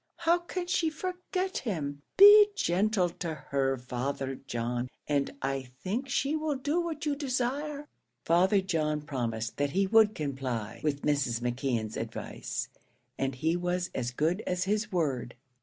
How can she forget him? Be gentle to her, Father John, and I think she will do what you desire." Father John promised that he would comply with Mrs. McKeon's advice, and he was as good as his word.